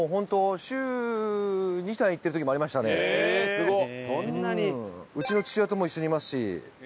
すごっ！